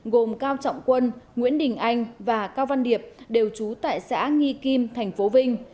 gồm cao trọng quân nguyễn đình anh và cao văn điệp đều trú tại xã nghi kim tp vinh